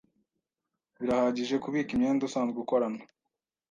Birahagije, kubika imyenda usanzwe ukorana,